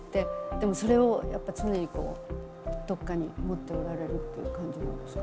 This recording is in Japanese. でもそれをやっぱ常にこうどっかに持っておられるっていう感じなんですか？